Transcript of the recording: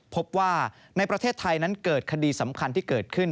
พบว่าในประเทศไทยนั้นเกิดคดีสำคัญที่เกิดขึ้น